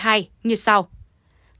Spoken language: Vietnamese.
các cơ sở giáo dục xây dựng